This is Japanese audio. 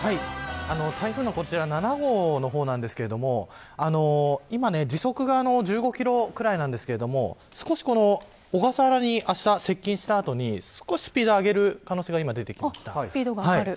台風７号の方ですが今時速が１５キロくらいなんですが少し小笠原にあした接近した後少しスピードを上げる可能性が出てきました。